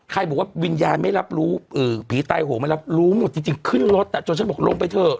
บอกว่าวิญญาณไม่รับรู้ผีตายโหงไม่รับรู้หมดจริงขึ้นรถจนฉันบอกลงไปเถอะ